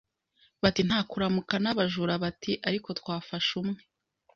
Bati Nta kuramuka n' abajura Bati Ariko twafashe umwe